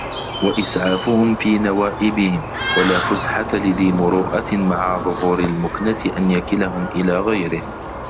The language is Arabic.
وَإِسْعَافُهُمْ فِي نَوَائِبِهِمْ وَلَا فُسْحَةَ لِذِي مُرُوءَةٍ مَعَ ظُهُورِ الْمُكْنَةِ أَنْ يَكِلَهُمْ إلَى غَيْرِهِ